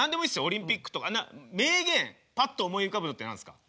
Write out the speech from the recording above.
オリンピックとか名言パッと思い浮かぶのって何すか？